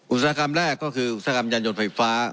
อุตสาหกรรมแรกก็คืออุตสาหกรรมยานยนต์ไฟฟ้า